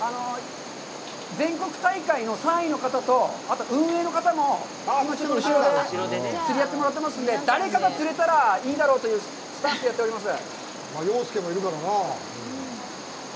全国大会の３位の方と、あと運営の方も今、ちょっと後ろで釣りをやってもらってますんで、誰かが釣れたらいいだろうというスタンスでやっております。